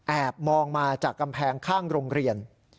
มองมาจากกำแพงข้างโรงเรียน